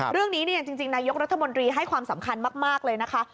เรื่องนี้จริงนายกรัฐมนตรีให้ความสำคัญมากเลยนะคะ